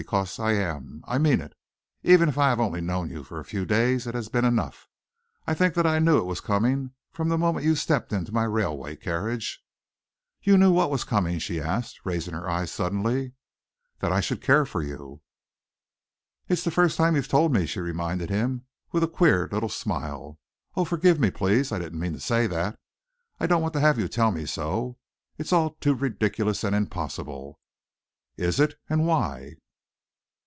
Because I am. I mean it. Even if I have only known you for a few days, it has been enough. I think that I knew it was coming from the moment that you stepped into my railway carriage." "You knew that what was coming?" she asked, raising her eyes suddenly. "That I should care for you." "It's the first time you've told me," she reminded him, with a queer little smile. "Oh, forgive me, please! I didn't mean to say that. I don't want to have you tell me so. It's all too ridiculous and impossible." "Is it? And why?"